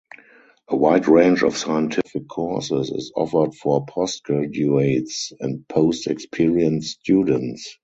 A wide range of scientific courses is offered for postgraduates and post-experience students.